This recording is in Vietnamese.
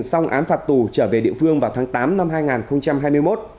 xong án phạt tù trở về địa phương vào tháng tám năm hai nghìn hai mươi một